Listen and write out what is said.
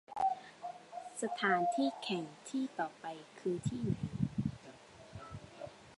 สถานที่แข่งที่ต่อไปคือที่ไหน